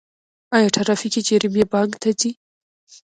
آیا ټرافیکي جریمې بانک ته ځي؟